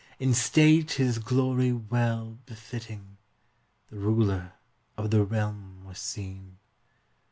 In state his glory well befitting, The ruler of the realm was seen.